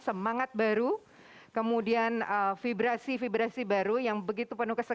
jangan lupa untuk berikan duit kepada tuhan